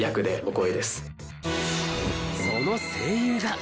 その声優が。